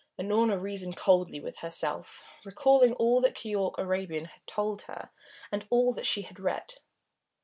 Unorna reasoned coldly with herself, recalling all that Keyork Arabian had told her and all that she had read.